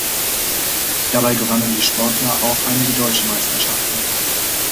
Dabei gewannen die Sportler auch einige Deutsche Meisterschaften.